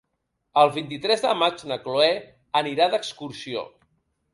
El vint-i-tres de maig na Cloè anirà d'excursió.